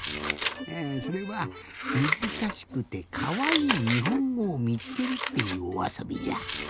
えそれは「むずかしくてかわいいにほんごをみつける」っていうおあそびじゃ。